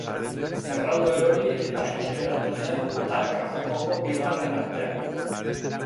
Zerraldo erori eta hantxe geratu zen talka-jokoko bi marren artean.